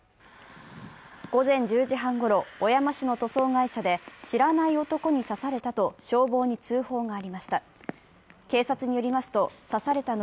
午前１０時半ごろ、小山市の塗装会社で知らない男に刺されたと消防に通報がありました。